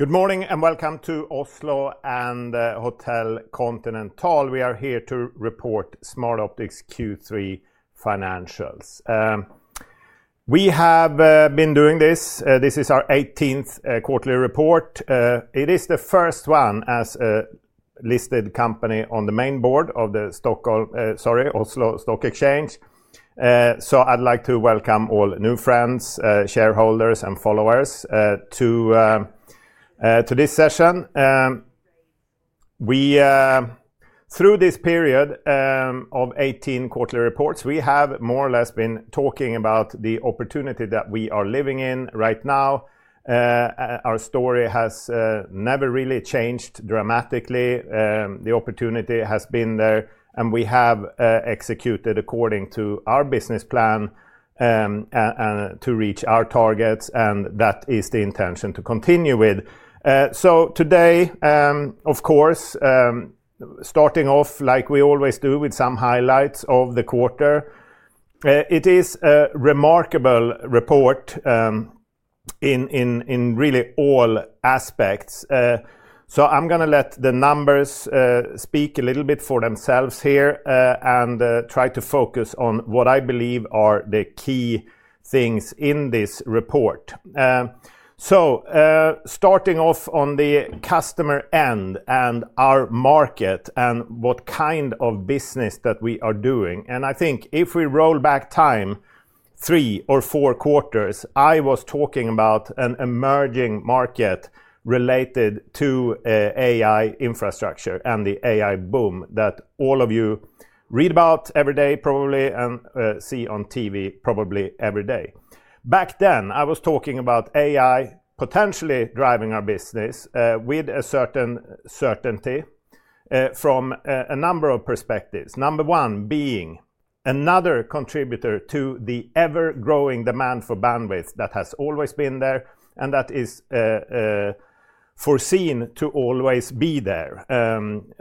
Good morning and welcome to Oslo and Hotel Continental. We are here to report Smartoptics Q3 financials. This is our 18th quarterly report. It is the first one as a listed company on the main board of the Oslo Stock Exchange. I'd like to welcome all new friends, shareholders, and followers to this session. Through this period of 18 quarterly reports, we have more or less been talking about the opportunity that we are living in right now. Our story has never really changed dramatically. The opportunity has been there, and we have executed according to our business plan to reach our targets, and that is the intention to continue with. Today, of course, starting off like we always do with some highlights of the quarter. It is a remarkable report in really all aspects. I'm going to let the numbers speak a little bit for themselves here and try to focus on what I believe are the key things in this report. Starting off on the customer end and our market and what kind of business that we are doing. I think if we roll back time three or four quarters, I was talking about an emerging market related to AI infrastructure and the AI boom that all of you read about every day probably and see on TV probably every day. Back then, I was talking about AI potentially driving our business with a certain certainty from a number of perspectives. Number one, being another contributor to the ever-growing demand for bandwidth that has always been there and that is foreseen to always be there.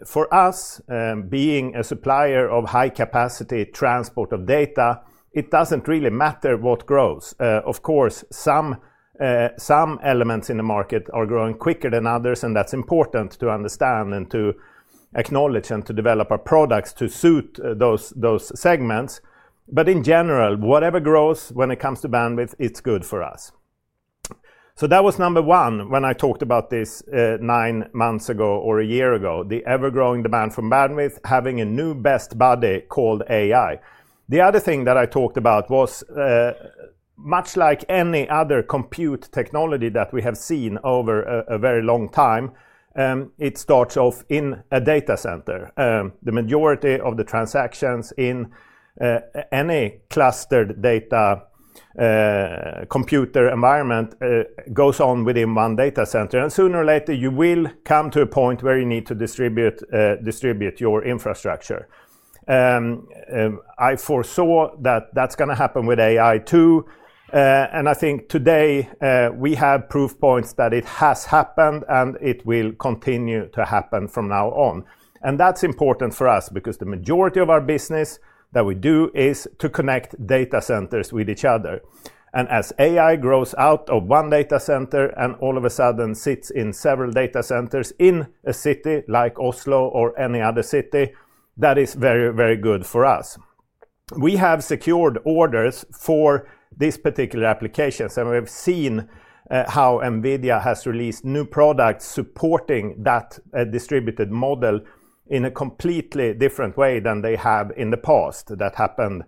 For us, being a supplier of high-capacity transport of data, it doesn't really matter what grows. Of course, some elements in the market are growing quicker than others, and that's important to understand and to acknowledge and to develop our products to suit those segments. In general, whatever grows when it comes to bandwidth, it's good for us. That was number one when I talked about this nine months ago or a year ago, the ever-growing demand for bandwidth having a new best buddy called AI. The other thing that I talked about was much like any other compute technology that we have seen over a very long time, it starts off in a data center. The majority of the transactions in any clustered data computer environment goes on within one data center, and sooner or later, you will come to a point where you need to distribute your infrastructure. I foresaw that that's going to happen with AI too. I think today we have proof points that it has happened and it will continue to happen from now on. That is important for us because the majority of our business that we do is to connect data centers with each other. As AI grows out of one data center and all of a sudden sits in several data centers in a city like Oslo or any other city, that is very, very good for us. We have secured orders for these particular applications, and we've seen how NVIDIA has released new products supporting that distributed model in a completely different way than they have in the past. That happened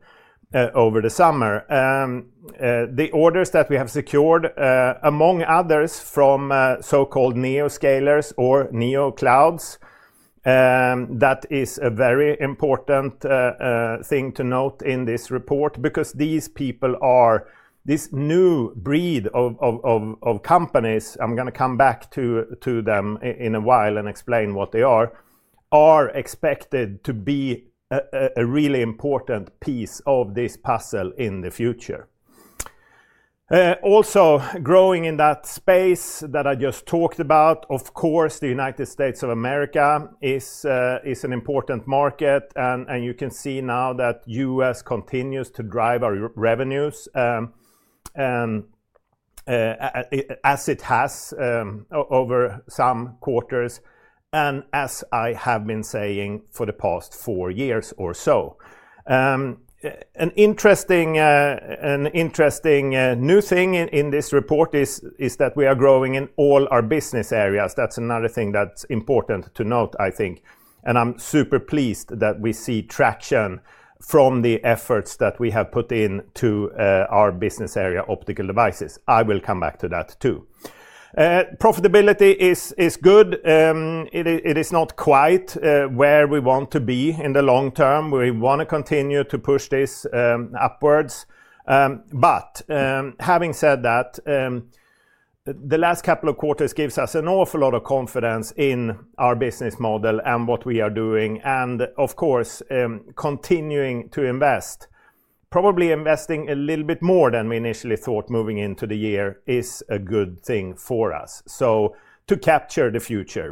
over the summer. The orders that we have secured, among others from so-called Neoscalers or Neoclouds, that is a very important thing to note in this report because these people are this new breed of companies. I am going to come back to them in a while and explain what they are. They are expected to be a really important piece of this puzzle in the future. Also, growing in that space that I just talked about, of course, the United States of America is an important market, and you can see now that the U.S. continues to drive our revenues as it has over some quarters, and as I have been saying for the past four years or so. An interesting new thing in this report is that we are growing in all our business areas. That is another thing that's important to note, I think. I am super pleased that we see traction from the efforts that we have put into our business area, optical devices. I will come back to that too. Profitability is good. It is not quite where we want to be in the long term. We want to continue to push this upwards. Having said that, the last couple of quarters give us an awful lot of confidence in our business model and what we are doing, and of course, continuing to invest. Probably investing a little bit more than we initially thought moving into the year is a good thing for us. To capture the future,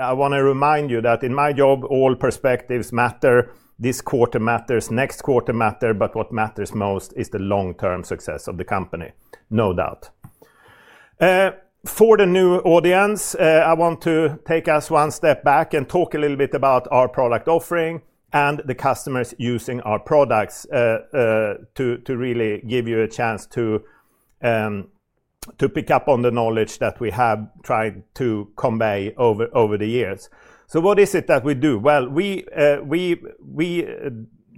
I want to remind you that in my job, all perspectives matter. This quarter matters, next quarter matters, but what matters most is the long-term success of the company, no doubt. For the new audience, I want to take us one step back and talk a little bit about our product offering and the customers using our products to really give you a chance to pick up on the knowledge that we have tried to convey over the years. What is it that we do? We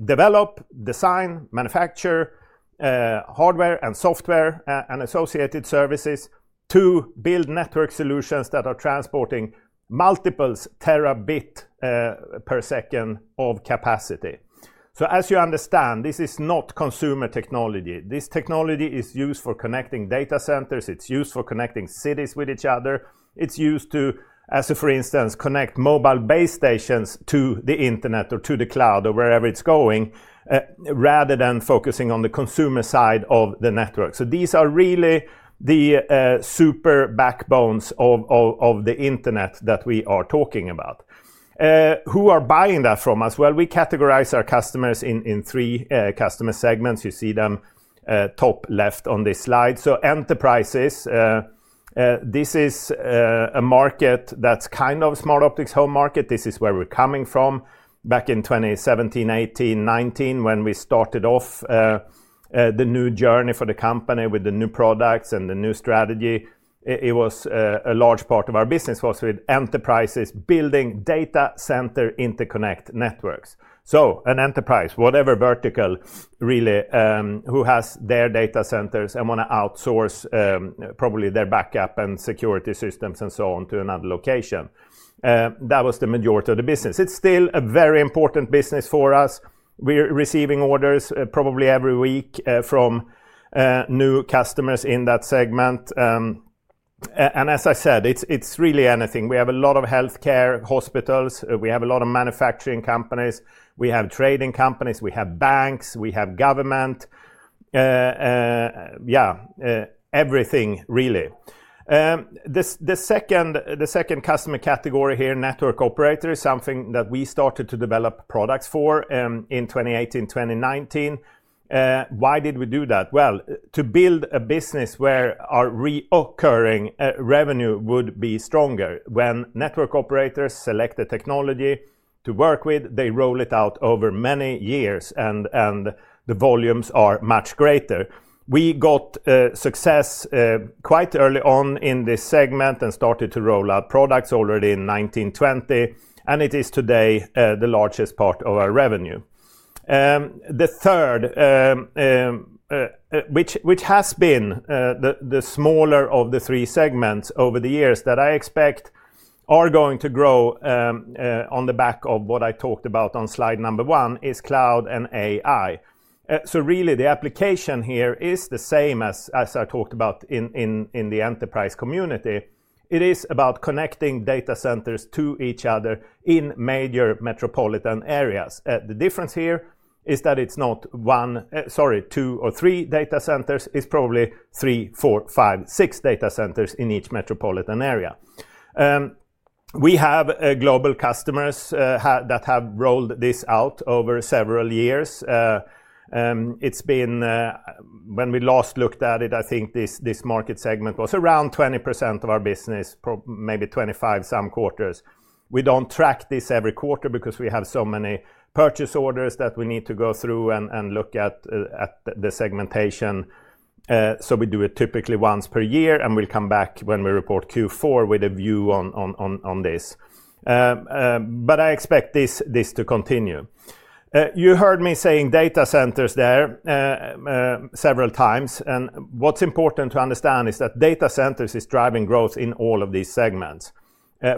develop, design, manufacture hardware and software and associated services to build network solutions that are transporting multiple terabit per second of capacity. As you understand, this is not consumer technology. This technology is used for connecting data centers. It's used for connecting cities with each other. It's used to, as for instance, connect mobile base stations to the internet or to the cloud or wherever it's going, rather than focusing on the consumer side of the network. These are really the super backbones of the internet that we are talking about. Who are buying that from us? We categorize our customers in three customer segments. You see them top left on this slide. Enterprises, this is a market that's kind of Smartoptics' home market. This is where we're coming from back in 2017, 2018, 2019 when we started off the new journey for the company with the new products and the new strategy. A large part of our business was with enterprises building data center interconnect networks. An enterprise, whatever vertical really, who has their data centers and want to outsource probably their backup and security systems and so on to another location. That was the majority of the business. It's still a very important business for us. We're receiving orders probably every week from new customers in that segment. As I said, it's really anything. We have a lot of healthcare, hospitals. We have a lot of manufacturing companies. We have trading companies. We have banks. We have government. Yeah, everything really. The second customer category here, network operators, something that we started to develop products for in 2018, 2019. Why did we do that? To build a business where our reoccurring revenue would be stronger. When network operators select a technology to work with, they roll it out over many years, and the volumes are much greater. We got success quite early on in this segment and started to roll out products already in 2019, 2020, and it is today the largest part of our revenue. The third, which has been the smaller of the three segments over the years that I expect are going to grow on the back of what I talked about on slide number one, is cloud and AI. The application here is the same as I talked about in the enterprise community. It is about connecting data centers to each other in major metropolitan areas. The difference here is that it's not one, sorry, two or three data centers. It's probably three, four, five, six data centers in each metropolitan area. We have global customers that have rolled this out over several years. When we last looked at it, I think this market segment was around 20% of our business, maybe 25% some quarters. We don't track this every quarter because we have so many purchase orders that we need to go through and look at the segmentation. We do it typically once per year, and we'll come back when we report Q4 with a view on this. I expect this to continue. You heard me saying data centers there several times, and what's important to understand is that data centers are driving growth in all of these segments.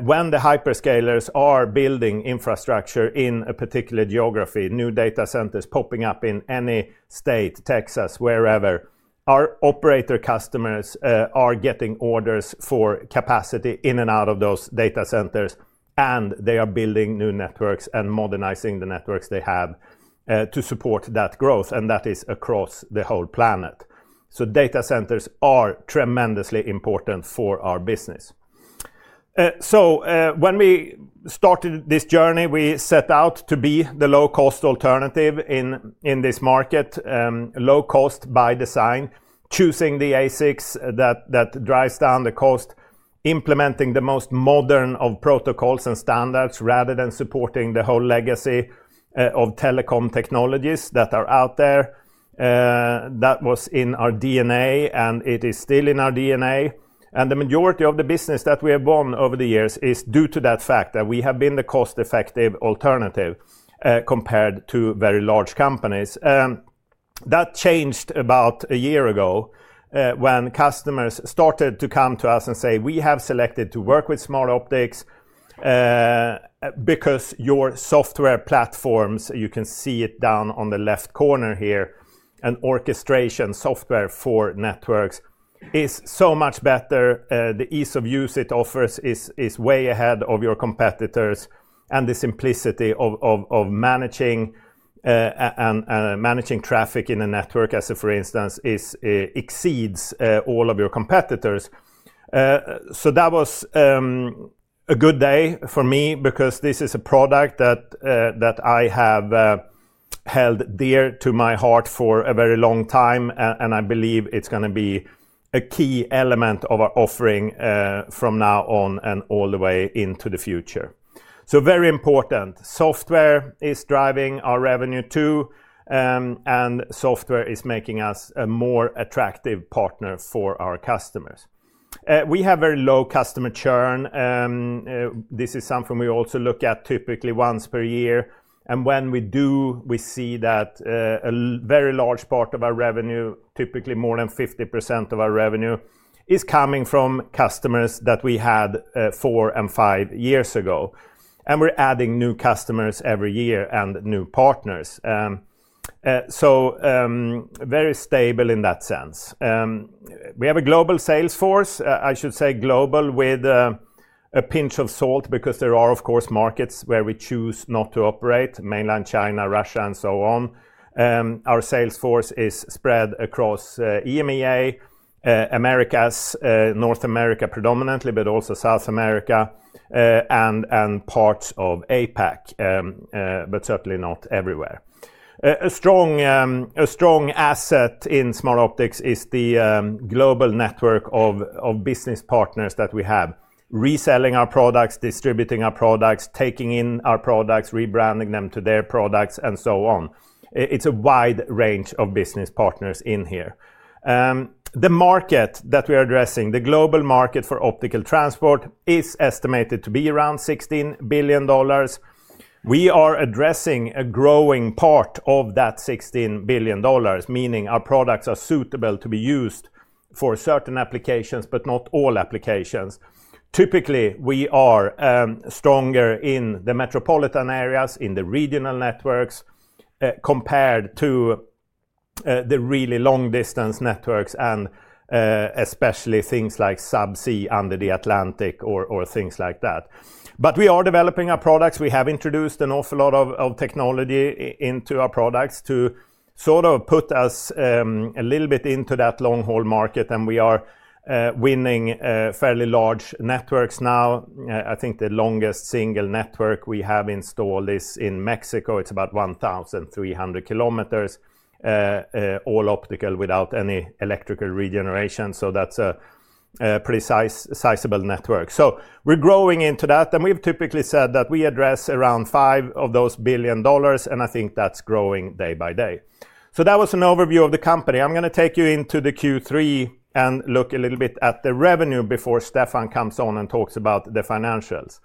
When the hyperscalers are building infrastructure in a particular geography, new data centers popping up in any state, Texas, wherever, our operator customers are getting orders for capacity in and out of those data centers, and they are building new networks and modernizing the networks they have to support that growth, and that is across the whole planet. Data centers are tremendously important for our business. When we started this journey, we set out to be the low-cost alternative in this market, low cost by design, choosing the ASICs that drives down the cost, implementing the most modern of protocols and standards rather than supporting the whole legacy of telecom technologies that are out there. That was in our D&A, and it is still in our D&A. The majority of the business that we have won over the years is due to that fact that we have been the cost-effective alternative compared to very large companies. That changed about a year ago when customers started to come to us and say, "We have selected to work with Smartoptics because your software platforms," you can see it down on the left corner here, "and orchestration software for networks is so much better. The ease of use it offers is way ahead of your competitors, and the simplicity of managing traffic in a network, as for instance, exceeds all of your competitors." That was a good day for me because this is a product that I have held dear to my heart for a very long time, and I believe it's going to be a key element of our offering from now on and all the way into the future. Very important. Software is driving our revenue too, and software is making us a more attractive partner for our customers. We have very low customer churn. This is something we also look at typically once per year. When we do, we see that a very large part of our revenue, typically more than 50% of our revenue, is coming from customers that we had four and five years ago. We're adding new customers every year and new partners, so very stable in that sense. We have a global sales force. I should say global with a pinch of salt because there are, of course, markets where we choose not to operate, mainland China, Russia, and so on. Our sales force is spread across EMEA, Americas, North America predominantly, but also South America and parts of APAC, but certainly not everywhere. A strong asset in Smartoptics is the global network of business partners that we have, reselling our products, distributing our products, taking in our products, rebranding them to their products, and so on. It's a wide range of business partners in here. The market that we are addressing, the global market for optical transport, is estimated to be around $16 billion. We are addressing a growing part of that $16 billion, meaning our products are suitable to be used for certain applications, but not all applications. Typically, we are stronger in the metropolitan areas, in the regional networks compared to the really long-distance networks, and especially things like subsea under the Atlantic or things like that. We are developing our products. We have introduced an awful lot of technology into our products to sort of put us a little bit into that long-haul market, and we are winning fairly large networks now. I think the longest single network we have installed is in Mexico. It's about 1,300 km, all optical without any electrical regeneration. That's a pretty sizable network. We're growing into that, and we've typically said that we address around five of those billion dollars, and I think that's growing day by day. That was an overview of the company. I'm going to take you into the Q3 and look a little bit at the revenue before Stefan comes on and talks about the financials.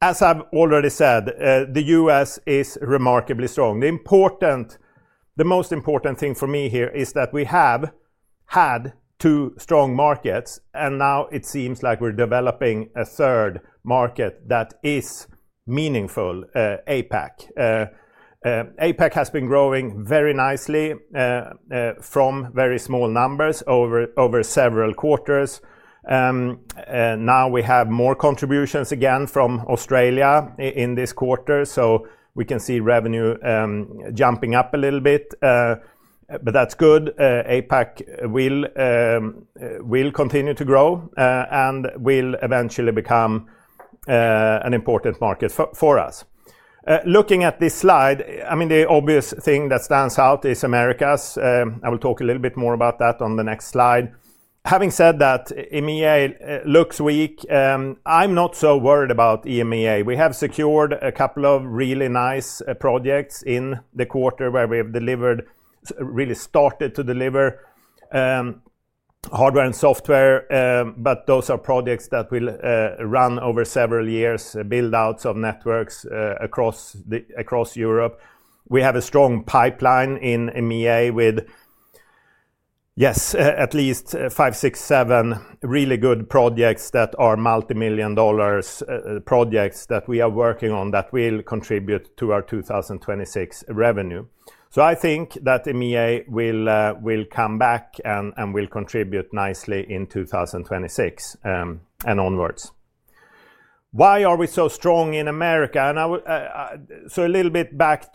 As I've already said, the U.S. is remarkably strong. The most important thing for me here is that we have had two strong markets, and now it seems like we're developing a third market that is meaningful, APAC. APAC has been growing very nicely from very small numbers over several quarters. Now we have more contributions again from Australia in this quarter, so we can see revenue jumping up a little bit, but that's good. APAC will continue to grow and will eventually become an important market for us. Looking at this slide, the obvious thing that stands out is Americas. I will talk a little bit more about that on the next slide. Having said that, EMEA looks weak. I'm not so worried about EMEA. We have secured a couple of really nice projects in the quarter where we have delivered, really started to deliver hardware and software, but those are projects that will run over several years, build-outs of networks across Europe. We have a strong pipeline in EMEA with, yes, at least five, six, seven really good projects that are multimillion dollar projects that we are working on that will contribute to our 2026 revenue. I think that EMEA will come back and will contribute nicely in 2026 and onwards. Why are we so strong in Americas? A little bit back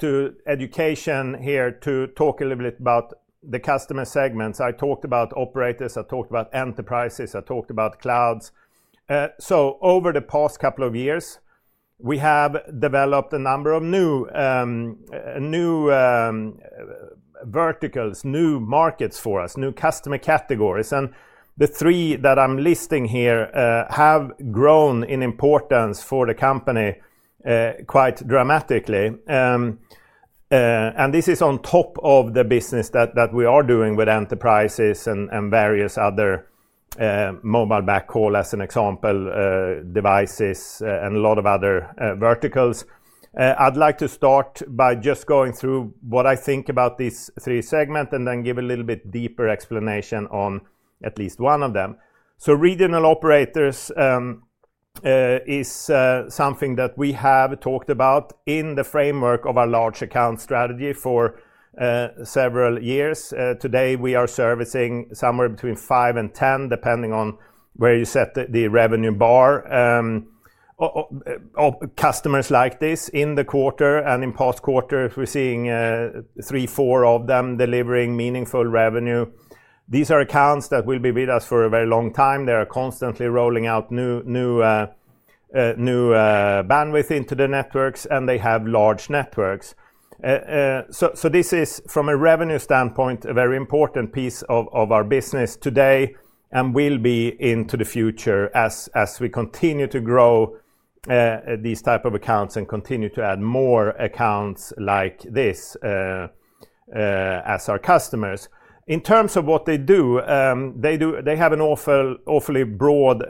to education here to talk a little bit about the customer segments. I talked about operators. I talked about enterprises. I talked about clouds. Over the past couple of years, we have developed a number of new verticals, new markets for us, new customer categories. The three that I'm listing here have grown in importance for the company quite dramatically. This is on top of the business that we are doing with enterprises and various other mobile backhaul as an example, devices, and a lot of other verticals. I'd like to start by just going through what I think about these three segments and then give a little bit deeper explanation on at least one of them. Regional operators is something that we have talked about in the framework of our large account strategy for several years. Today, we are servicing somewhere between five and 10, depending on where you set the revenue bar. Customers like this in the quarter and in past quarters, we're seeing three, four of them delivering meaningful revenue. These are accounts that will be with us for a very long time. They are constantly rolling out new bandwidth into the networks, and they have large networks. This is, from a revenue standpoint, a very important piece of our business today and will be into the future as we continue to grow these types of accounts and continue to add more accounts like this as our customers. In terms of what they do, they have an awfully broad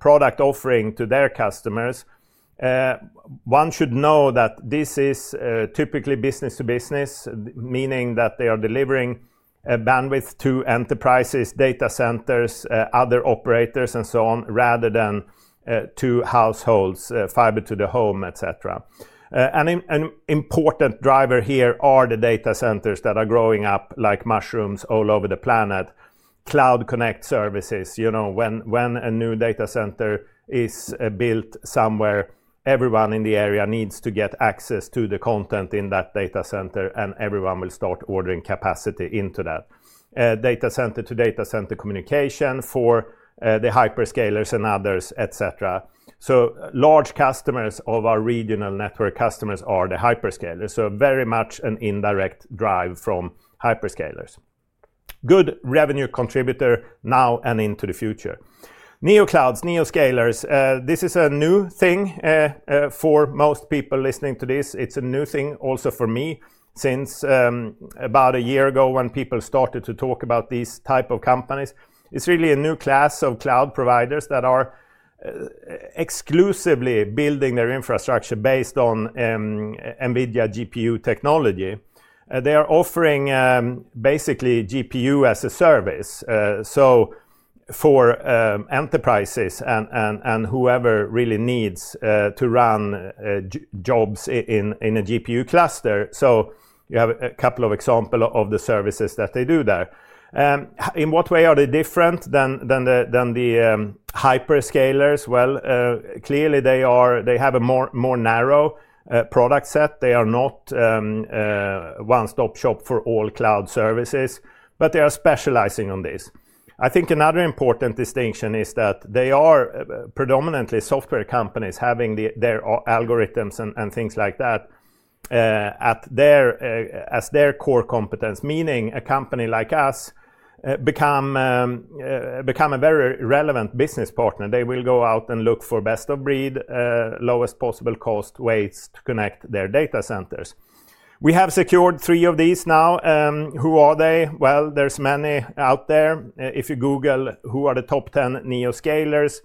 product offering to their customers. One should know that this is typically business-to-business, meaning that they are delivering bandwidth to enterprises, data centers, other operators, and so on, rather than to households, fiber-to-the-home, etc. An important driver here are the data centers that are growing up like mushrooms all over the planet. Cloud connect services, you know, when a new data center is built somewhere, everyone in the area needs to get access to the content in that data center, and everyone will start ordering capacity into that. Data center to data center communication for the hyperscalers and others, etc. Large customers of our regional network customers are the hyperscalers. Very much an indirect drive from hyperscalers. Good revenue contributor now and into the future. Neocloud, Neoscaler, this is a new thing for most people listening to this. It's a new thing also for me since about a year ago when people started to talk about these types of companies. It's really a new class of cloud providers that are exclusively building their infrastructure based on NVIDIA GPU technology. They are offering basically GPU-as-a-service. For enterprises and whoever really needs to run jobs in a GPU cluster, you have a couple of examples of the services that they do there. In what way are they different than the hyperscalers? Clearly, they have a more narrow product set. They are not one-stop shop for all cloud services, but they are specializing on this. I think another important distinction is that they are predominantly software companies having their algorithms and things like that as their core competence, meaning a company like us becomes a very relevant business partner. They will go out and look for best-of-breed, lowest possible cost ways to connect their data centers. We have secured three of these now. Who are they? There are many out there. If you Google who are the top 10 Neoscalers,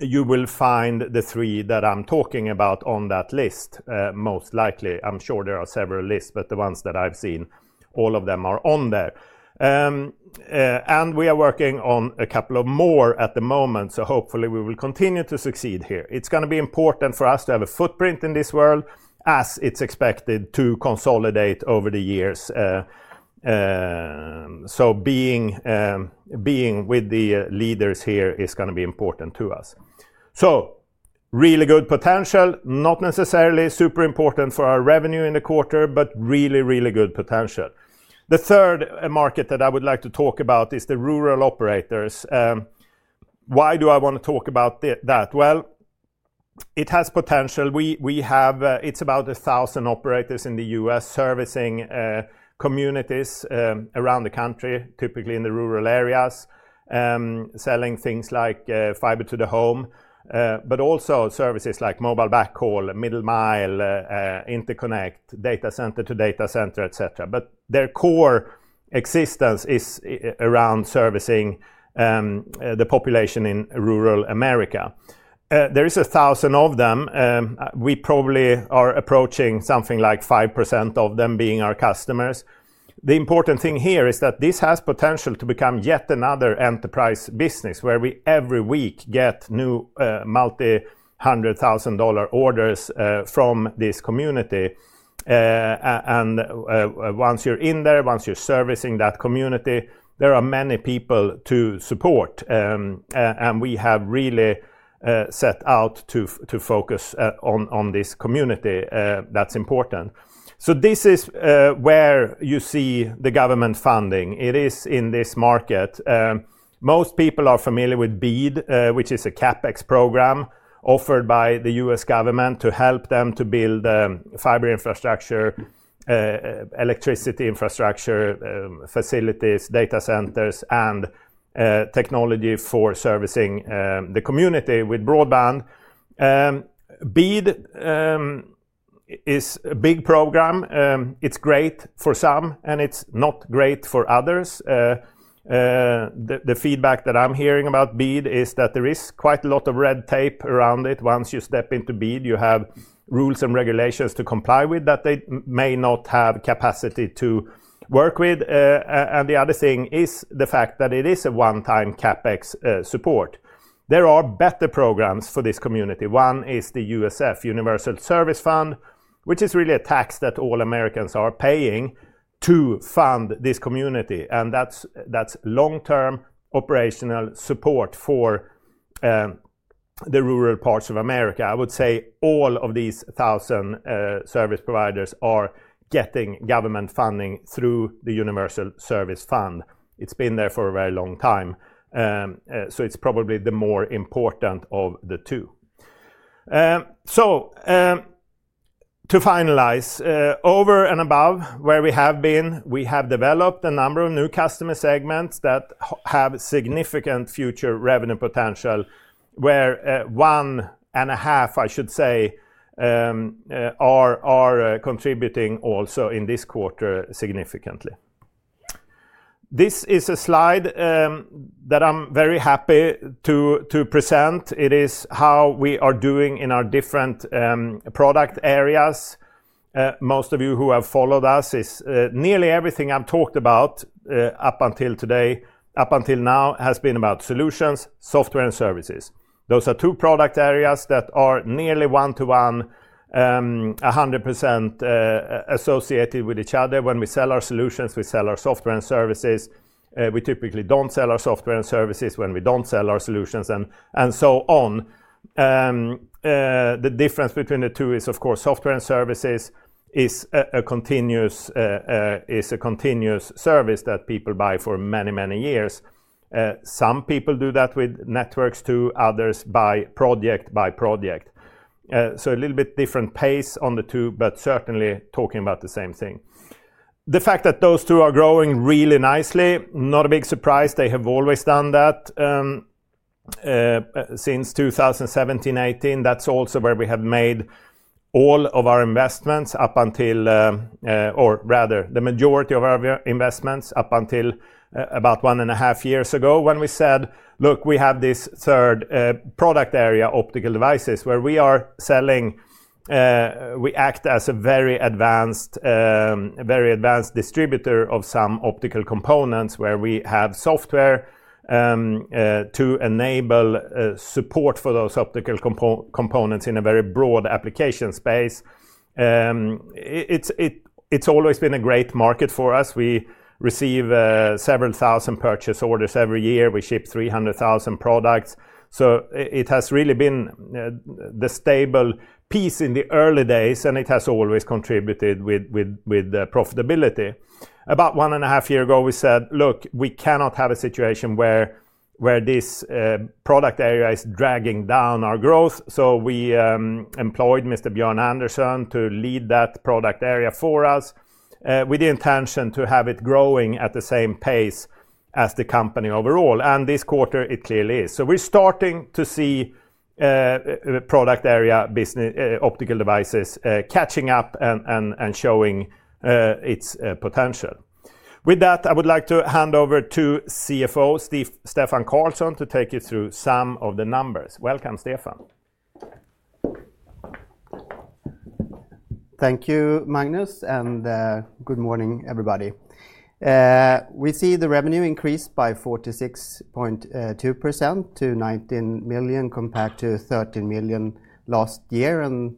you will find the three that I'm talking about on that list most likely. I'm sure there are several lists, but the ones that I've seen, all of them are on there. We are working on a couple of more at the moment, hopefully, we will continue to succeed here. It's going to be important for us to have a footprint in this world as it's expected to consolidate over the years. Being with the leaders here is going to be important to us. Really good potential, not necessarily super important for our revenue in the quarter, but really, really good potential. The third market that I would like to talk about is the rural operators. Why do I want to talk about that? It has potential. We have, it's about 1,000 operators in the U.S. servicing communities around the country, typically in the rural areas, selling things like fiber-to-the-home, but also services like mobile backhaul, middle mile, interconnect, data center to data center, etc. Their core existence is around servicing the population in rural America. There are 1,000 of them. We probably are approaching something like 5% of them being our customers. The important thing here is that this has potential to become yet another enterprise business where we every week get new multi-hundred thousand dollar orders from this community. Once you're in there, once you're servicing that community, there are many people to support. We have really set out to focus on this community. That's important. This is where you see the government funding. It is in this market. Most people are familiar with BEAD, which is a CapEx program offered by the U.S. government to help them to build fiber infrastructure, electricity infrastructure, facilities, data centers, and technology for servicing the community with broadband. BEAD is a big program. It's great for some, and it's not great for others. The feedback that I'm hearing about BEAD is that there is quite a lot of red tape around it. Once you step into BEAD, you have rules and regulations to comply with that they may not have capacity to work with. The other thing is the fact that it is a one-time CapEx support. There are better programs for this community. One is the USF, Universal Service Fund, which is really a tax that all Americans are paying to fund this community. That's long-term operational support for the rural parts of America. I would say all of these 1,000 service providers are getting government funding through the Universal Service Fund. It's been there for a very long time. It's probably the more important of the two. To finalize, over and above where we have been, we have developed a number of new customer segments that have significant future revenue potential where one and a half, I should say, are contributing also in this quarter significantly. This is a slide that I'm very happy to present. It is how we are doing in our different product areas. Most of you who have followed us, nearly everything I've talked about up until today, up until now, has been about solutions, software, and services. Those are two product areas that are nearly one-to-one, 100% associated with each other. When we sell our solutions, we sell our software and services. We typically don't sell our software and services when we don't sell our solutions, and so on. The difference between the two is, of course, software and services is a continuous service that people buy for many, many years. Some people do that with networks too. Others buy project by project. A little bit different pace on the two, but certainly talking about the same thing. The fact that those two are growing really nicely, not a big surprise. They have always done that since 2017, 2018. That's also where we have made all of our investments up until, or rather, the majority of our investments up until about one and a half years ago when we said, "Look, we have this third product area, optical devices, where we are selling. We act as a very advanced distributor of some optical components where we have software to enable support for those optical components in a very broad application space." It's always been a great market for us. We receive several thousand purchase orders every year. We ship 300,000 products. It has really been the stable piece in the early days, and it has always contributed with profitability. About one and a half years ago, we said, "Look, we cannot have a situation where this product area is dragging down our growth." We employed Mr. Björn Andersson to lead that product area for us with the intention to have it growing at the same pace as the company overall. This quarter, it clearly is. We're starting to see product area business, optical devices catching up and showing its potential. With that, I would like to hand over to CFO, Stefan Karlsson, to take you through some of the numbers. Welcome, Stefan. Thank you, Magnus, and good morning, everybody. We see the revenue increase by 46.2% to $19 million compared to $13 million last year, and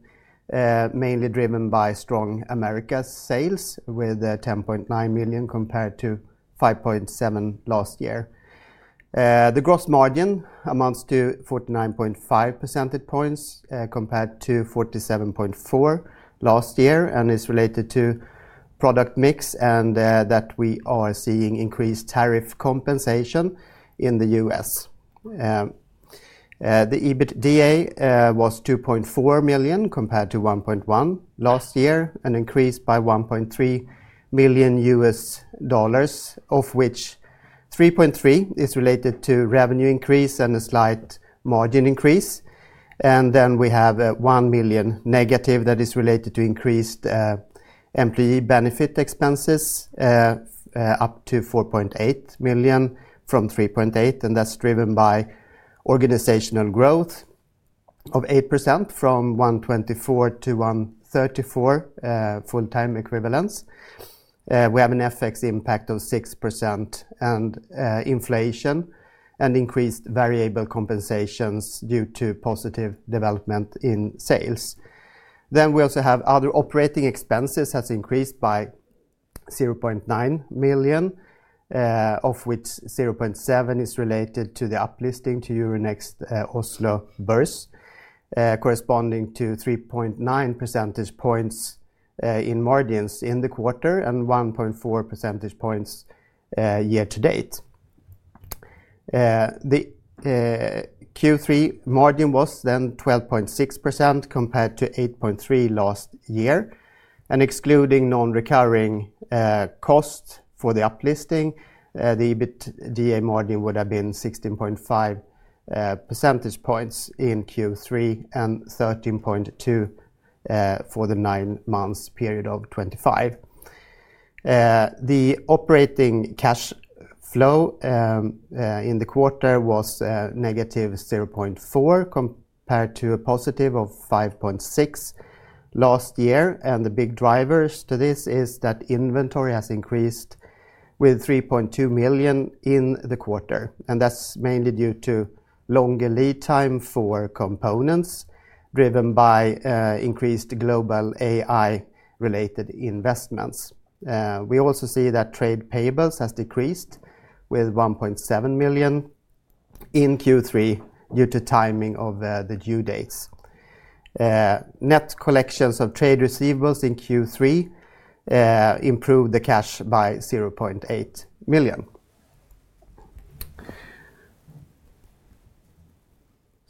mainly driven by strong Americas sales with $10.9 million compared to $5.7 million last year. The gross margin amounts to 49.5 percentage points compared to 47.4 percentage points last year and is related to product mix and that we are seeing increased tariff compensation in the U.S. The EBITDA was $2.4 million compared to $1.1 million last year, an increase by $1.3 million, of which $3.3 million is related to revenue increase and a slight margin increase. We have $1 million negative that is related to increased employee benefit expenses up to $4.8 million from $3.8 million, and that's driven by organizational growth of 8% from 124 to 134 full-time equivalents. We have an FX impact of 6% and inflation and increased variable compensations due to positive development in sales. We also have other operating expenses that increased by $0.9 million, of which $0.7 million is related to the uplifting to Euronext Oslo Børs, corresponding to 3.9 percentage points in margins in the quarter and 1.4 percentage points year to date. The Q3 margin was then 12.6% compared to 8.3% last year. Excluding non-recurring cost for the uplifting, the EBITDA margin would have been 16.5 percentage points in Q3 and 13.2 percentage points for the nine-month period of 2025. The operating cash flow in the quarter was negative 0.4% compared to a positive of 5.6% last year. The big drivers to this is that inventory has increased with $3.2 million in the quarter. That's mainly due to longer lead time for components driven by increased global AI-related investments. We also see that trade payables have decreased with $1.7 million in Q3 due to timing of the due dates. Net collections of trade receivables in Q3 improved the cash by $0.8 million.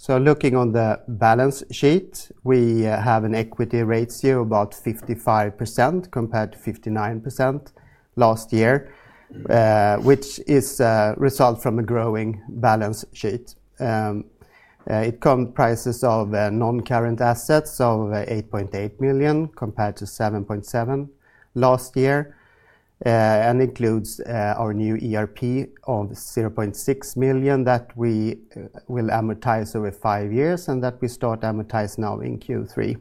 Looking on the balance sheet, we have an equity ratio of about 55% compared to 59% last year, which is a result from a growing balance sheet. It comes to prices of non-current assets of $8.8 million compared to $7.7 million last year and includes our new ERP of $0.6 million that we will amortize over five years and that we start amortizing now in Q3.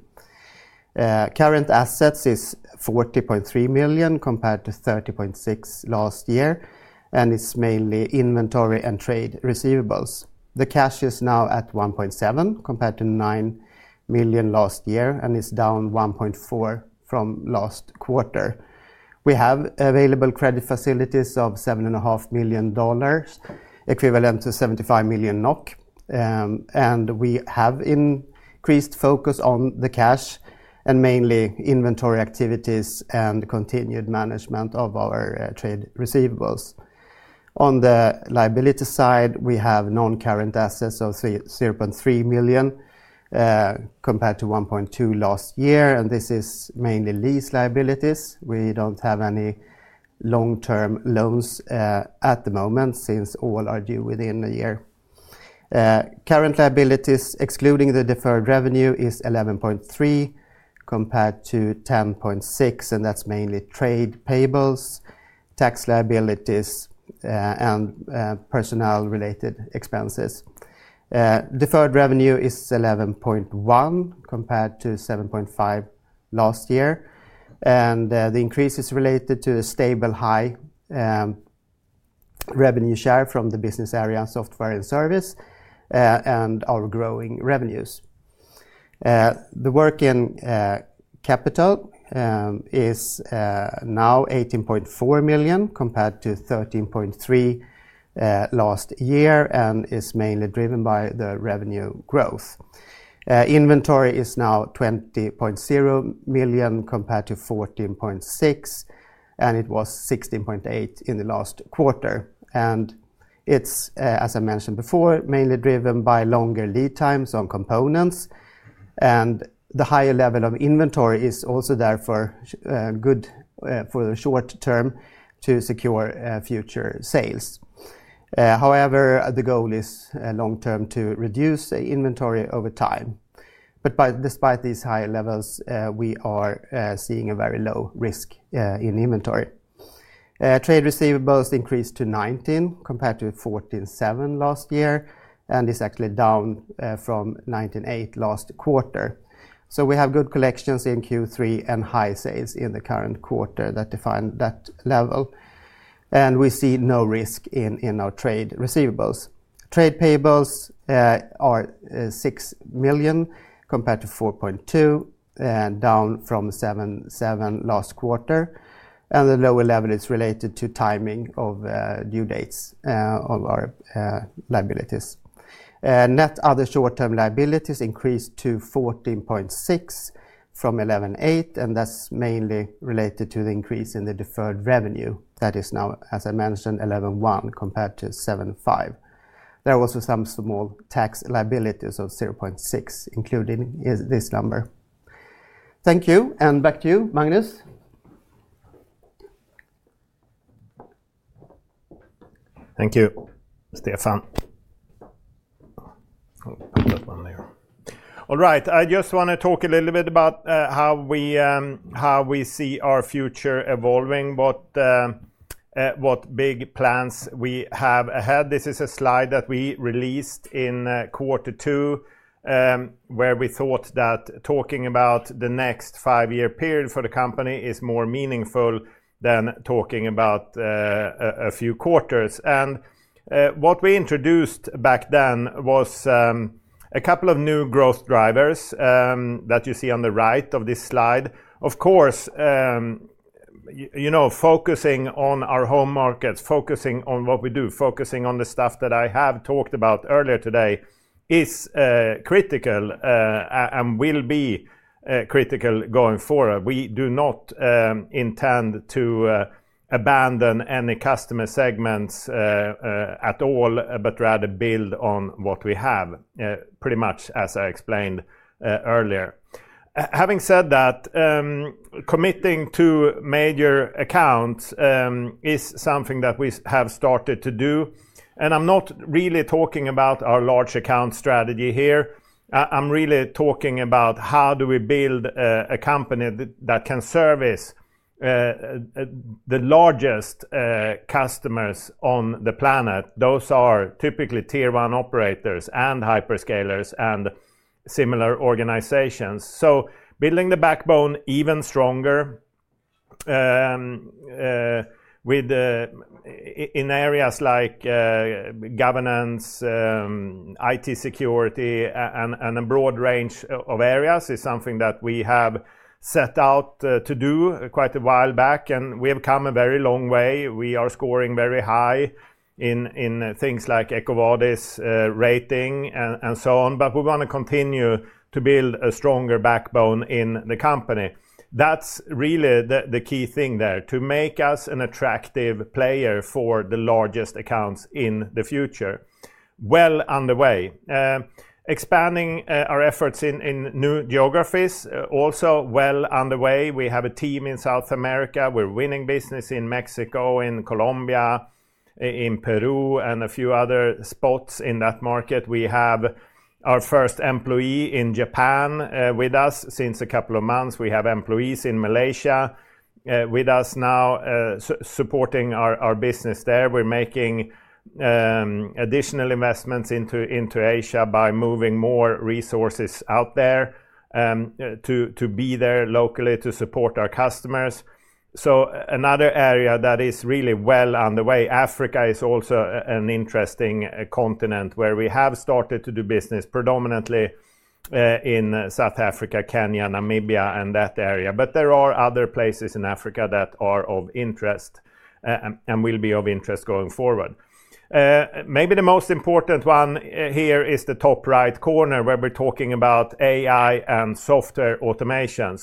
Current assets are $40.3 million compared to $30.6 million last year, and it's mainly inventory and trade receivables. The cash is now at $1.7 million compared to $9 million last year and is down $1.4 million from last quarter. We have available credit facilities of $7.5 million equivalent to 75 million NOK. We have increased focus on the cash and mainly inventory activities and continued management of our trade receivables. On the liability side, we have non-current assets of $0.3 million compared to $1.2 million last year, and this is mainly lease liabilities. We don't have any long-term loans at the moment since all are due within a year. Current liabilities, excluding the deferred revenue, are 11.3% compared to 10.6%, and that's mainly trade payables, tax liabilities, and personnel-related expenses. Deferred revenue is 11.1% compared to 7.5% last year, and the increase is related to a stable high revenue share from the business area and software and service and our growing revenues. The working capital is now $18.4 million compared to 13.3% last year and is mainly driven by the revenue growth. Inventory is now $20.0 million compared to 14.6%, and it was 16.8% in the last quarter. It's, as I mentioned before, mainly driven by longer lead times on components, and the higher level of inventory is also therefore good for the short term to secure future sales. However, the goal is long term to reduce inventory over time. Despite these higher levels, we are seeing a very low risk in inventory. Trade receivables increased to 19% compared to 14.7% last year and is actually down from 19.8% last quarter. We have good collections in Q3 and high sales in the current quarter that define that level. We see no risk in our trade receivables. Trade payables are $6 million compared to 4.2%, down from 7.7% last quarter, and the lower level is related to timing of due dates of our liabilities. Net other short-term liabilities increased to 14.6% from 11.8%, and that's mainly related to the increase in the deferred revenue that is now, as I mentioned, 11.1% compared to 7.5%. There are also some small tax liabilities of 0.6% including this number. Thank you, and back to you, Magnus. Thank you, Stefan. All right, I just want to talk a little bit about how we see our future evolving, what big plans we have ahead. This is a slide that we released in quarter two, where we thought that talking about the next five-year period for the company is more meaningful than talking about a few quarters. What we introduced back then was a couple of new growth drivers that you see on the right of this slide. Of course, focusing on our home markets, focusing on what we do, focusing on the stuff that I have talked about earlier today is critical and will be critical going forward. We do not intend to abandon any customer segments at all, but rather build on what we have, pretty much as I explained earlier. Having said that, committing to major accounts is something that we have started to do. I'm not really talking about our large account strategy here. I'm really talking about how do we build a company that can service the largest customers on the planet. Those are typically tier one operators and hyperscalers and similar organizations. Building the backbone even stronger in areas like governance, IT security, and a broad range of areas is something that we have set out to do quite a while back, and we have come a very long way. We are scoring very high in things like EcoVadis rating and so on, but we want to continue to build a stronger backbone in the company. That's really the key thing there, to make us an attractive player for the largest accounts in the future. Underway. Expanding our efforts in new geographies, also well underway. We have a team in South America. We're winning business in Mexico, in Colombia, in Peru, and a few other spots in that market. We have our first employee in Japan with us since a couple of months. We have employees in Malaysia with us now supporting our business there. We're making additional investments into Asia by moving more resources out there to be there locally to support our customers. Another area that is really well underway, Africa is also an interesting continent where we have started to do business predominantly in South Africa, Kenya, Namibia, and that area. There are other places in Africa that are of interest and will be of interest going forward. Maybe the most important one here is the top right corner where we're talking about AI and software automation.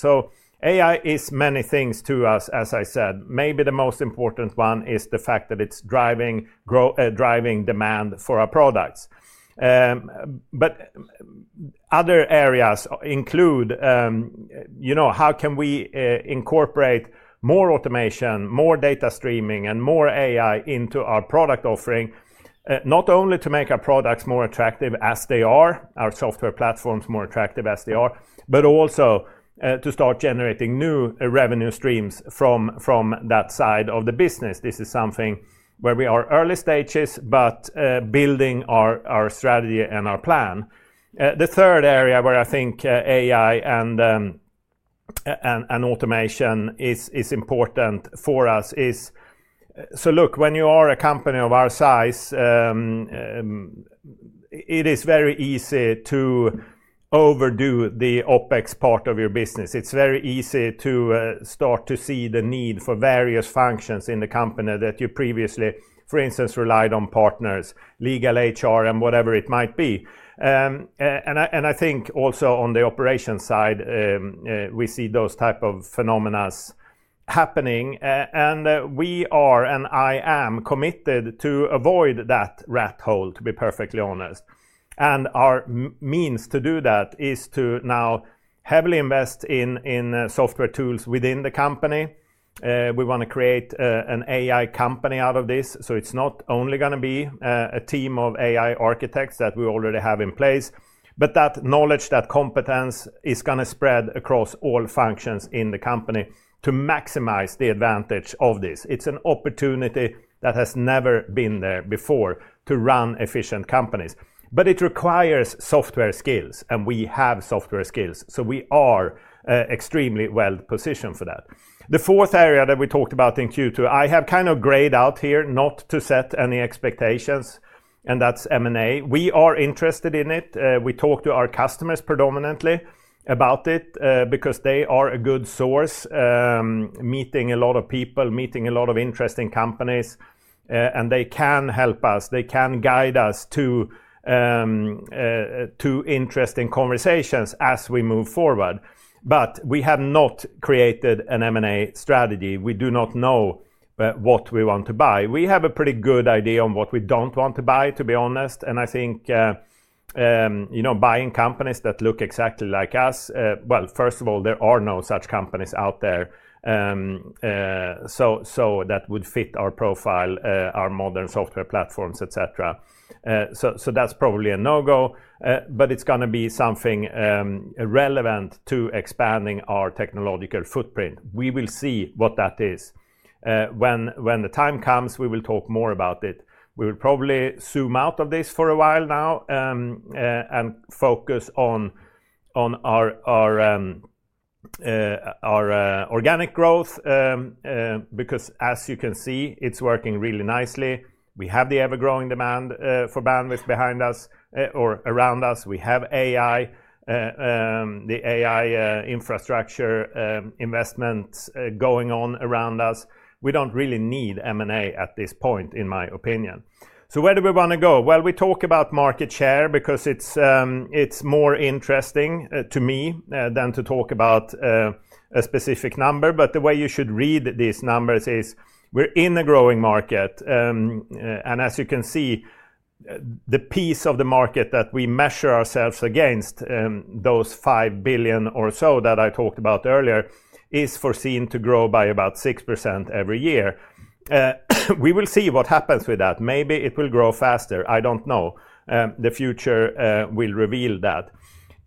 AI is many things to us, as I said. Maybe the most important one is the fact that it's driving demand for our products. Other areas include, you know, how can we incorporate more automation, more data streaming, and more AI into our product offering, not only to make our products more attractive as they are, our software platforms more attractive as they are, but also to start generating new revenue streams from that side of the business. This is something where we are early stages, but building our strategy and our plan. The third area where I think AI and automation is important for us is, look, when you are a company of our size, it is very easy to overdo the OpEx part of your business. It's very easy to start to see the need for various functions in the company that you previously, for instance, relied on partners, legal, HR, and whatever it might be. I think also on the operations side, we see those types of phenomena happening. We are, and I am, committed to avoid that rat hole, to be perfectly honest. Our means to do that is to now heavily invest in software tools within the company. We want to create an AI company out of this. It's not only going to be a team of AI architects that we already have in place, but that knowledge, that competence is going to spread across all functions in the company to maximize the advantage of this. It's an opportunity that has never been there before to run efficient companies. It requires software skills, and we have software skills. We are extremely well positioned for that. The fourth area that we talked about in Q2, I have kind of grayed out here not to set any expectations, and that's M&A. We are interested in it. We talk to our customers predominantly about it because they are a good source, meeting a lot of people, meeting a lot of interesting companies, and they can help us. They can guide us to interesting conversations as we move forward. We have not created an M&A strategy. We do not know what we want to buy. We have a pretty good idea on what we don't want to buy, to be honest. I think, you know, buying companies that look exactly like us, first of all, there are no such companies out there. That would fit our profile, our modern software platforms, etc. That's probably a no-go, but it's going to be something relevant to expanding our technological footprint. We will see what that is. When the time comes, we will talk more about it. We will probably zoom out of this for a while now and focus on our organic growth because as you can see, it's working really nicely. We have the ever-growing demand for bandwidth behind us or around us. We have AI, the AI infrastructure investments going on around us. We don't really need M&A at this point, in my opinion. Where do we want to go? I talk about market share because it's more interesting to me than to talk about a specific number. The way you should read these numbers is we're in a growing market. As you can see, the piece of the market that we measure ourselves against, those $5 billion or so that I talked about earlier, is foreseen to grow by about 6% every year. We will see what happens with that. Maybe it will grow faster. I don't know. The future will reveal that.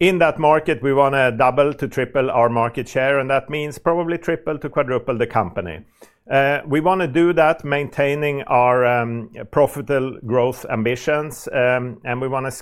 In that market, we want to double to triple our market share, and that means probably triple to quadruple the company. We want to do that maintaining our profitable growth ambitions, and we want to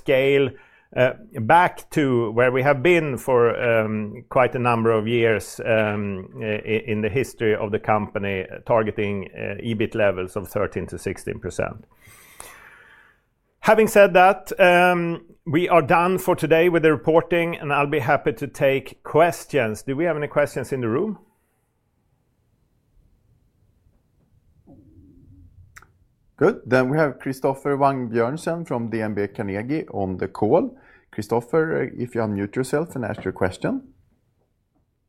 scale back to where we have been for quite a number of years in the history of the company, targeting EBIT levels of 13%-16%. Having said that, we are done for today with the reporting, and I'll be happy to take questions. Do we have any questions in the room? Good. We have Christoffer Wang Bjørnsen from DNB Carnegie on the call. Christoffer, if you unmute yourself and ask your question.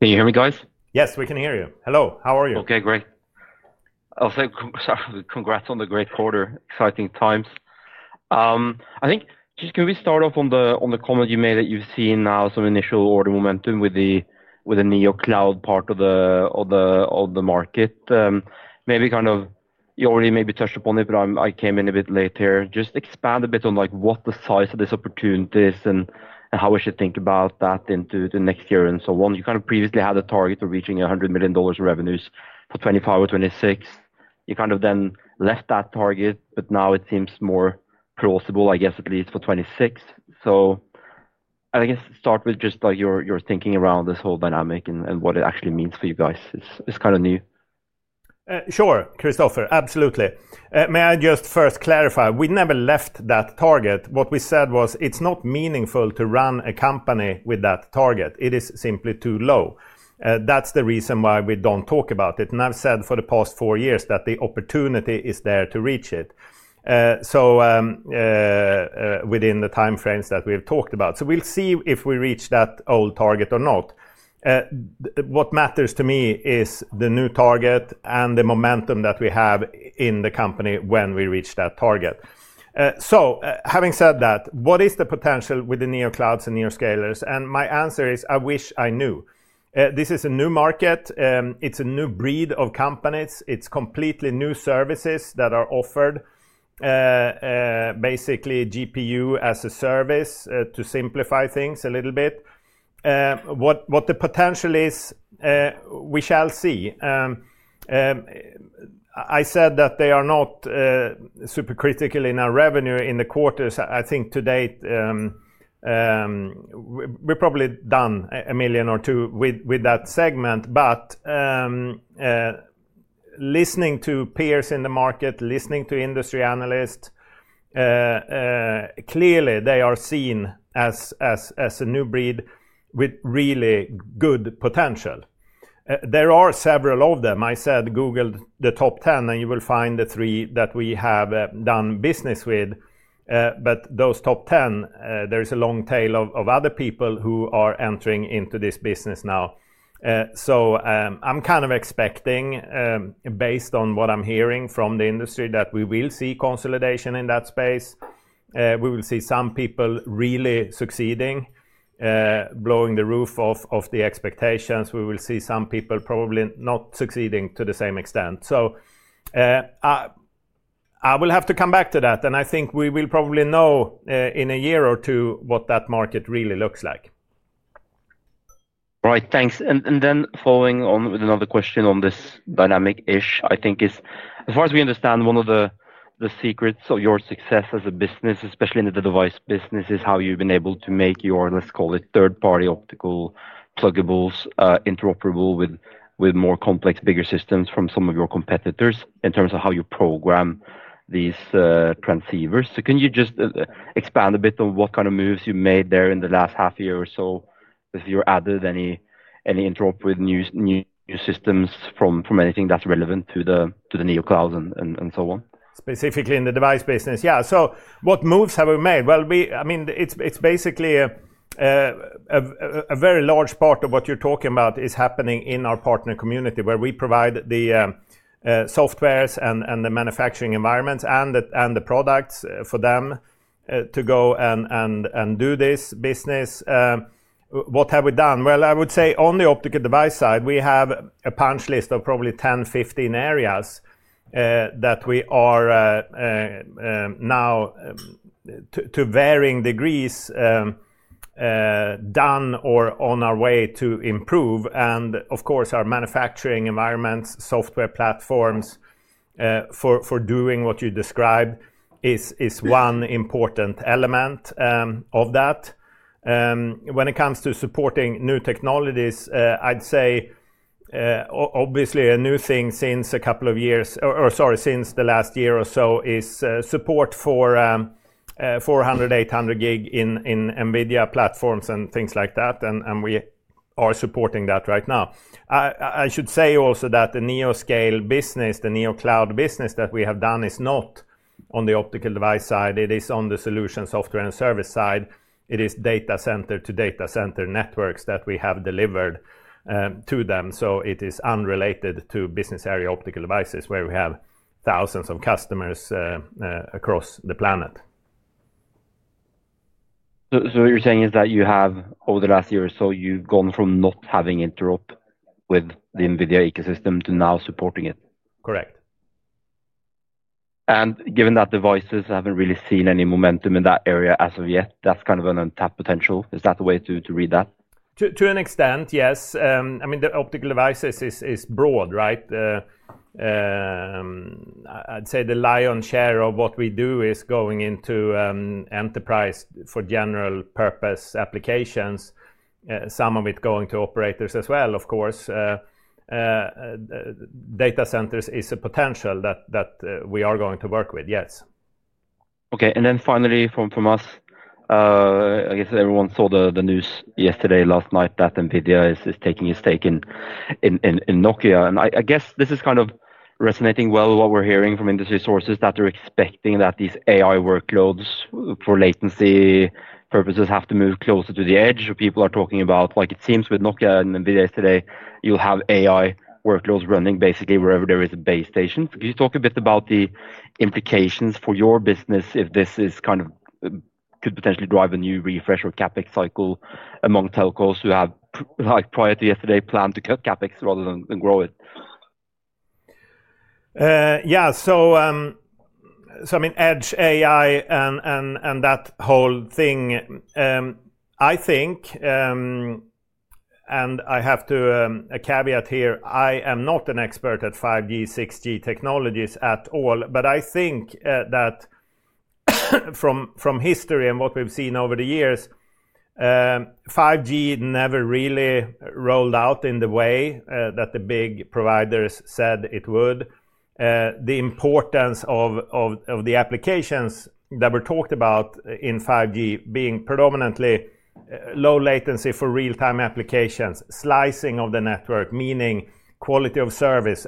Can you hear me, guys? Yes, we can hear you. Hello, how are you? Okay, great. I'll say congrats on the great quarter. Exciting times. I think just can we start off on the comment you made that you've seen now some initial order momentum with the Neocloud part of the market? Maybe you already touched upon it, but I came in a bit later. Just expand a bit on what the size of this opportunity is and how we should think about that into the next year and so on. You kind of previously had a target of reaching $100 million revenues for 2025 or 2026. You kind of then left that target, but now it seems more plausible, I guess, at least for 2026. I guess start with just your thinking around this whole dynamic and what it actually means for you guys. It's kind of new. Sure, Christoffer. Absolutely. May I just first clarify we never left that target. What we said was it's not meaningful to run a company with that target. It is simply too low. That's the reason why we don't talk about it. I've said for the past four years that the opportunity is there to reach it. Within the timeframes that we've talked about, we'll see if we reach that old target or not. What matters to me is the new target and the momentum that we have in the company when we reach that target. Having said that, what is the potential with the Neoclouds and Neoscalers? My answer is I wish I knew. This is a new market. It's a new breed of companies. It's completely new services that are offered, basically GPU-as-a-service to simplify things a little bit. What the potential is, we shall see. I said that they are not super critical in our revenue in the quarters. I think to date, we've probably done $1 million or $2 million with that segment. Listening to peers in the market, listening to industry analysts, clearly they are seen as a new breed with really good potential. There are several of them. I said Google the top 10, and you will find the three that we have done business with. Those top 10, there is a long tail of other people who are entering into this business now. I'm kind of expecting, based on what I'm hearing from the industry, that we will see consolidation in that space. We will see some people really succeeding, blowing the roof off of the expectations. We will see some people probably not succeeding to the same extent. I will have to come back to that. I think we will probably know in a year or two what that market really looks like. Right, thanks. Following on with another question on this dynamic, I think as far as we understand, one of the secrets of your success as a business, especially in the device business, is how you've been able to make your, let's call it, third-party optical plugables interoperable with more complex, bigger systems from some of your competitors in terms of how you program these transceivers. Can you just expand a bit on what kind of moves you've made there in the last half year or so? If you've added any interoperable new systems from anything that's relevant to the Neocloud and so on? Specifically in the device business, yeah. What moves have we made? I mean, it's basically a very large part of what you're talking about is happening in our partner community where we provide the software and the manufacturing environments and the products for them to go and do this business. What have we done? I would say on the optical device side, we have a punch list of probably 10 areas, 15 areas that we are now, to varying degrees, done or on our way to improve. Of course, our manufacturing environments, software platforms for doing what you described is one important element of that. When it comes to supporting new technologies, I'd say obviously a new thing since the last year or so is support for 400Gb/800Gb in NVIDIA platforms and things like that. We are supporting that right now. I should say also that the Neoscaler business, the Neocloud business that we have done is not on the optical device side. It is on the solution software and service side. It is data center to data center networks that we have delivered to them. It is unrelated to business area optical devices where we have thousands of customers across the planet. You're saying that you have, over the last year or so, gone from not having interop with the NVIDIA ecosystem to now supporting it. Correct. Given that optical devices haven't really seen any momentum in that area as of yet, that's kind of an untapped potential. Is that the way to read that? To an extent, yes. I mean, the optical devices is broad, right? I'd say the lion's share of what we do is going into enterprise for general purpose applications, some of it going to operators as well, of course. Data centers is a potential that we are going to work with, yes. Okay. Finally from us, I guess everyone saw the news yesterday, last night that NVIDIA is taking a stake in Nokia. I guess this is kind of resonating well with what we're hearing from industry sources that they're expecting that these AI workloads for latency purposes have to move closer to the edge. People are talking about, like it seems with Nokia and NVIDIA today, you'll have AI workloads running basically wherever there is a base station. Can you talk a bit about the implications for your business if this kind of could potentially drive a new refresh or CapEx cycle among telcos who have, like prior to yesterday, planned to cut CapEx rather than grow it? Yeah. I mean, edge, AI, and that whole thing, I think, and I have to caveat here, I am not an expert at 5G, 6G technologies at all. I think that from history and what we've seen over the years, 5G never really rolled out in the way that the big providers said it would. The importance of the applications that were talked about in 5G being predominantly low latency for real-time applications, slicing of the network, meaning quality of service,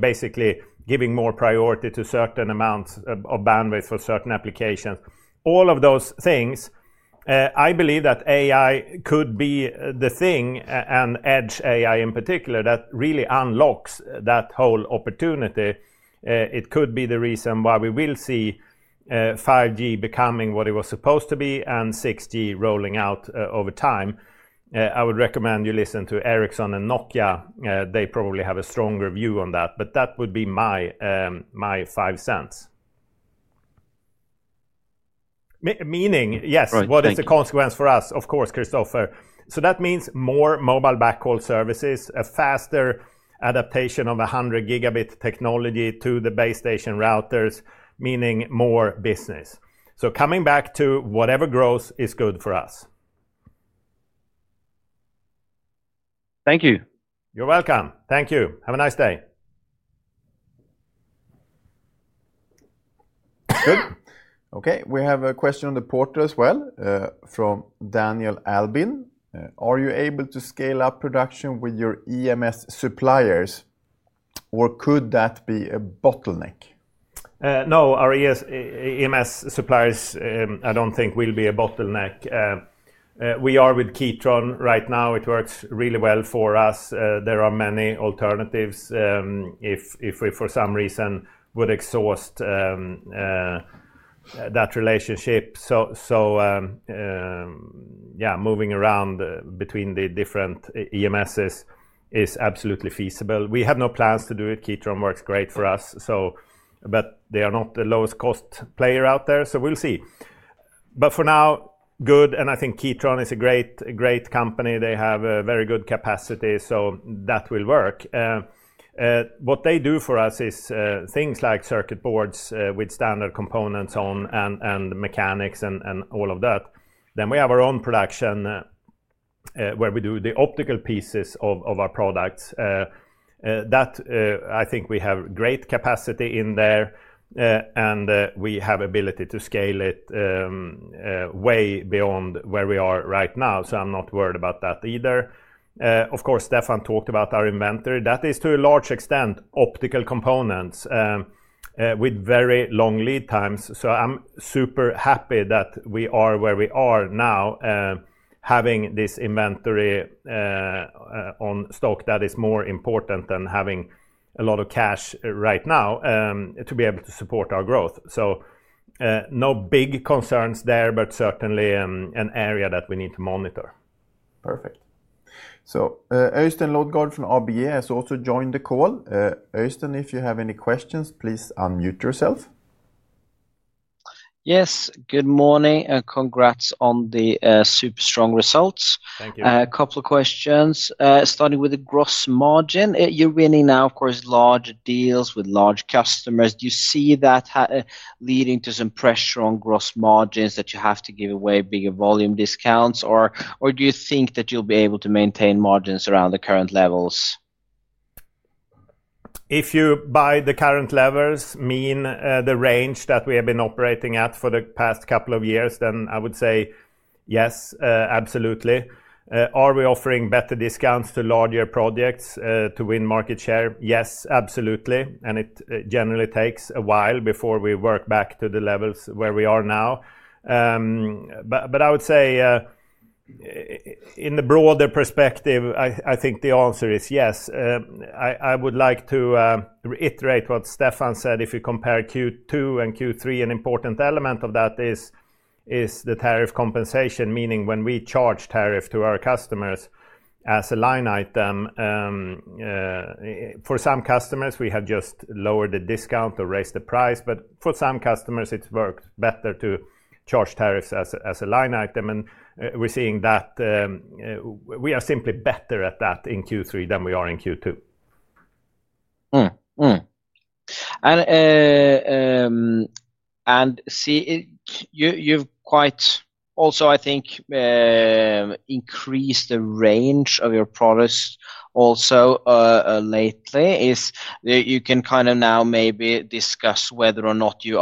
basically giving more priority to certain amounts of bandwidth for certain applications, all of those things, I believe that AI could be the thing, and edge AI in particular, that really unlocks that whole opportunity. It could be the reason why we will see 5G becoming what it was supposed to be and 6G rolling out over time. I would recommend you listen to Ericsson and Nokia. They probably have a stronger view on that. That would be my five cents. Meaning, yes, what is the consequence for us? Of course, Christopher. That means more mobile backhaul services, a faster adaptation of 100 Gb technology to the base station routers, meaning more business. Coming back to whatever grows is good for us. Thank you. You're welcome. Thank you. Have a nice day. Good. Okay. We have a question on the portal as well from Daniel Albin. Are you able to scale up production with your EMS suppliers, or could that be a bottleneck? No, our EMS suppliers, I don't think, will be a bottleneck. We are with Keychron right now. It works really well for us. There are many alternatives if we, for some reason, would exhaust that relationship. Moving around between the different EMSs is absolutely feasible. We have no plans to do it. Keychron works great for us, but they are not the lowest cost player out there. We'll see. For now, good. I think Keychron is a great company. They have a very good capacity. That will work. What they do for us is things like circuit boards with standard components on and mechanics and all of that. We have our own production where we do the optical pieces of our products. I think we have great capacity in there, and we have the ability to scale it way beyond where we are right now. I'm not worried about that either. Of course, Stefan talked about our inventory. That is, to a large extent, optical components with very long lead times. I'm super happy that we are where we are now, having this inventory on stock. That is more important than having a lot of cash right now to be able to support our growth. No big concerns there, but certainly an area that we need to monitor. Perfect. Øystein Laudgaard from ABE has also joined the call. Øystein, if you have any questions, please unmute yourself. Yes. Good morning and congrats on the super strong results. Thank you. A couple of questions. Starting with the gross margin, you're winning now, of course, large deals with large customers. Do you see that leading to some pressure on gross margins, that you have to give away bigger volume discounts, or do you think that you'll be able to maintain margins around the current levels? If you buy the current levels, meaning the range that we have been operating at for the past couple of years, then I would say yes, absolutely. Are we offering better discounts to larger projects to win market share? Yes, absolutely. It generally takes a while before we work back to the levels where we are now. I would say in the broader perspective, I think the answer is yes. I would like to reiterate what Stefan said. If you compare Q2 and Q3, an important element of that is the tariff compensation, meaning when we charge tariff to our customers as a line item. For some customers, we have just lowered the discount or raised the price. For some customers, it's worked better to charge tariffs as a line item. We're seeing that we are simply better at that in Q3 than we are in Q2. You've quite also, I think, increased the range of your products also lately. You can kind of now maybe discuss whether or not you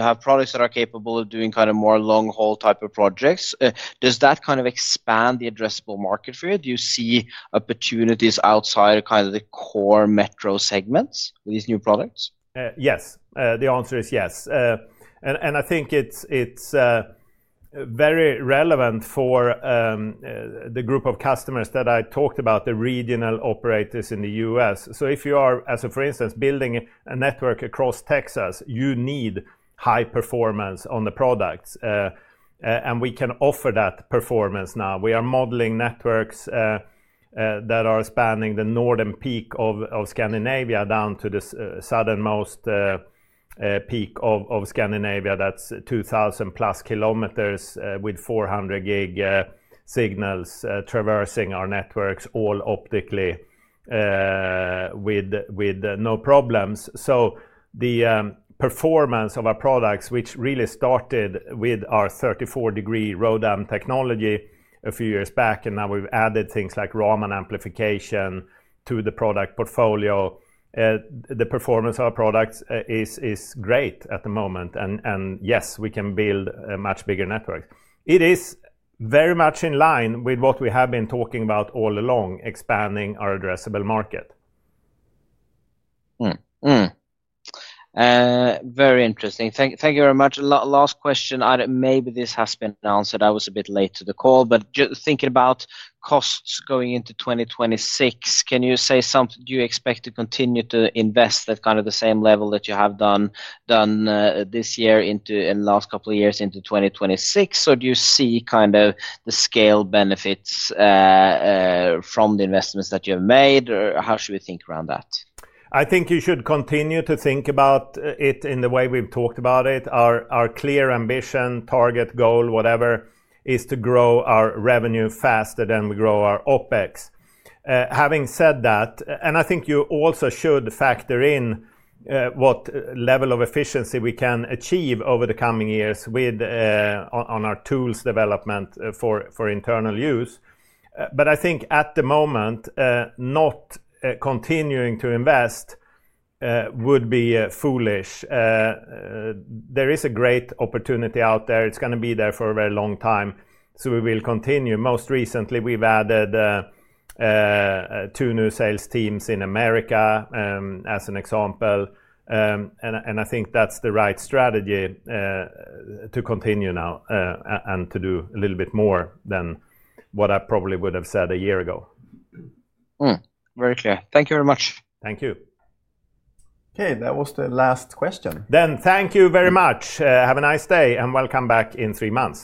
have products that are capable of doing kind of more long-haul type of projects. Does that kind of expand the addressable market for you? Do you see opportunities outside of kind of the core metro segments with these new products? Yes. The answer is yes. I think it's very relevant for the group of customers that I talked about, the regional operators in the U.S. If you are, as for instance, building a network across Texas, you need high performance on the products, and we can offer that performance now. We are modeling networks that are spanning the northern peak of Scandinavia down to the southernmost peak of Scandinavia. That's 2,000+ km with 400Gb signals traversing our networks, all optically with no problems. The performance of our products, which really started with our 34-degree ROADM technology a few years back, and now we've added things like Raman amplification to the product portfolio, the performance of our products is great at the moment. Yes, we can build a much bigger network. It is very much in line with what we have been talking about all along, expanding our addressable market. Very interesting. Thank you very much. Last question. Maybe this has been answered. I was a bit late to the call. Just thinking about costs going into 2026, can you say something? Do you expect to continue to invest at kind of the same level that you have done this year in the last couple of years into 2026, or do you see kind of the scale benefits from the investments that you have made, or how should we think around that? I think you should continue to think about it in the way we've talked about it. Our clear ambition, target, goal, whatever, is to grow our revenue faster than we grow our OpEx. Having said that, I think you also should factor in what level of efficiency we can achieve over the coming years on our tools development for internal use. At the moment, not continuing to invest would be foolish. There is a great opportunity out there. It's going to be there for a very long time. We will continue. Most recently, we've added two new sales teams in Americas as an example. I think that's the right strategy to continue now and to do a little bit more than what I probably would have said a year ago. Very clear. Thank you very much. Thank you. Okay, that was the last question. Thank you very much. Have a nice day and welcome back in three months.